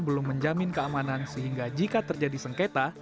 belum menjamin keamanan sehingga jika terjadi sengketa